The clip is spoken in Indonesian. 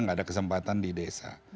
gak ada kesempatan di desa